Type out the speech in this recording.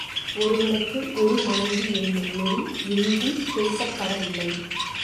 ஒருவனுக்கு ஒரு மனைவி என்னும் நெறி எங்கும் பேசப்படவில்லை.